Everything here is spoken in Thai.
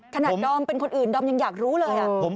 ดอมเป็นคนอื่นดอมยังอยากรู้เลย